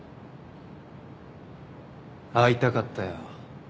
会いたかったよ。